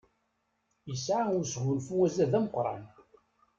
Yesɛa usgunfu azal d ameqqṛan.